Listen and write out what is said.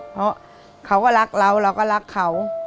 เพราะเขาก็รักเราเราก็รักเขา